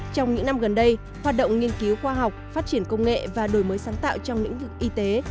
trong những năm gần đây hoạt động nghiên cứu khoa học phát triển công nghệ và đổi mới sáng tạo trong lĩnh vực y tế